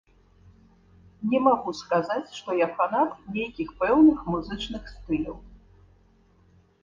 Не магу сказаць, што я фанат нейкіх пэўных музычных стыляў.